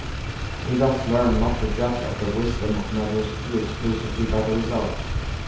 ] We thus learn not to judge of the wisdom of measures too exclusively by the results.